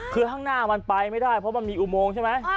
คือข้างหน้ามันไปไม่ได้เพราะมันมีอุโมงใช่ไหม